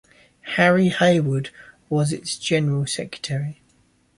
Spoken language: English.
Harry Haywood was its General Secretary.